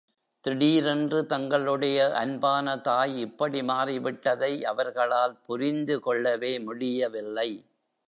திடீரென்று தங்களுடைய அன்பான தாய் இப்படி மாறிவிட்டதை அவர்களால் புரிந்துகொள்ளவே முடியவில்லை.